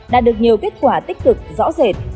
đã được nhiều kết quả tích cực rõ rệt